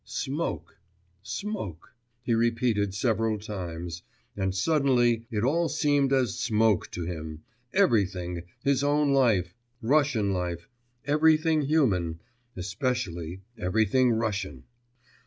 'Smoke, smoke,' he repeated several times; and suddenly it all seemed as smoke to him, everything, his own life, Russian life everything human, especially everything Russian.